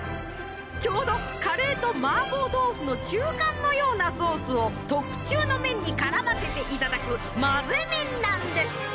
ちょうどカレーと麻婆豆腐の中間のようなソースを特注の麺に絡ませていただく混ぜ麺なんです。